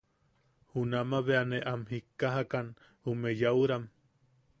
Junama bea ne am jijikkajan ume yaʼuram.